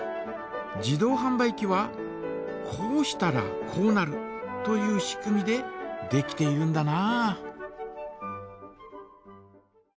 自動はん売機はこうしたらこうなるという仕組みでできているんだな。